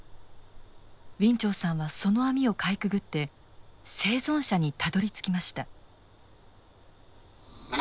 ウィン・チョウさんはその網をかいくぐって生存者にたどりつきました。